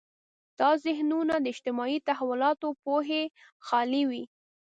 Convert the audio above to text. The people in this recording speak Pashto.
دا ذهنونه د اجتماعي تحولاتو پوهې خالي وي.